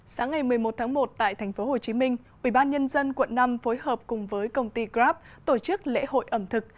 sáng ngày một mươi một tháng một tại tp hcm ubnd quận năm phối hợp cùng với công ty grab tổ chức lễ hội ẩm thực